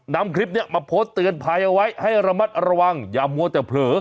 นำคลิปนี้มาโพสต์เตือนภัยเอาไว้ให้ระมัดระวังอย่ามัวแต่เผลอ